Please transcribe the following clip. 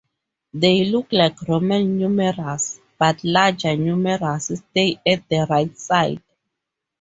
They look like Roman numerals, but larger numerals stay at the right side.